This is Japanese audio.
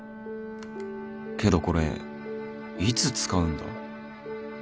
けどこれいつ使うんだ？